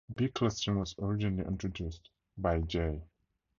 Biclustering was originally introduced by J.